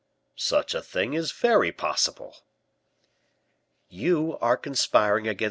"Such a thing is very possible." "You are conspiring against M.